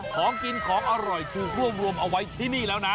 ของกินของอร่อยถูกรวบรวมเอาไว้ที่นี่แล้วนะ